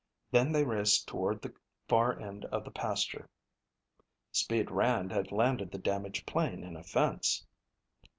Then they raced toward the far end of the pasture. "Speed" Rand had landed the damaged plane in a fence.